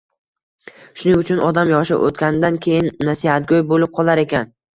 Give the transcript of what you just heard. Shuning uchun odam yoshi o‘tganidan keyin nasihatgo‘y bo‘lib qolar ekan.